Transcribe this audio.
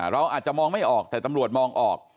เราอาจจะมองไม่ออกแต่ตำรวจมองออก